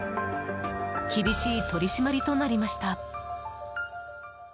厳しい取り締まりとなりました。